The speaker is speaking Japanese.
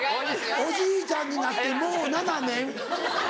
おじいちゃんになってもう７年。